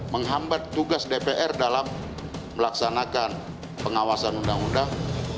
menghambat tugas dpr dalam melaksanakan pengawasan undang undang